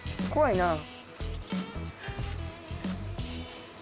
怖いな。